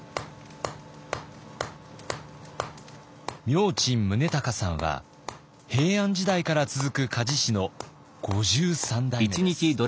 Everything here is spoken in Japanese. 明珍宗敬さんは平安時代から続く鍛冶師の５３代目です。